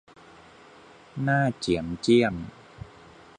หน้าเจี๋ยมเจี้ยม